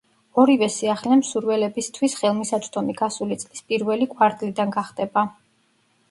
ორივე სიახლე მსურველებისთვის ხელმისაწვდომი გასული წლის პირველი კვარტლიდან გახდება.